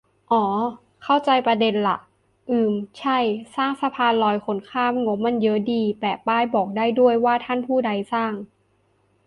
อ้อ เข้าใจประเด็นล่ะ อืมใช่ สร้างสะพานลอยคนข้าม งบมันเยอะดี แปะป้ายบอกได้ด้วย ว่าท่านผู้ใดสร้าง